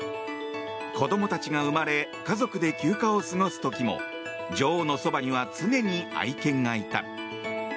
子供たちが生まれ家族で休暇を過ごす時も女王のそばには常に愛犬がいた。